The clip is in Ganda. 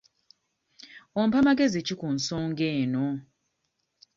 Ompa magezi ki ku nsonga eno?